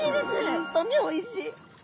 本当においしい。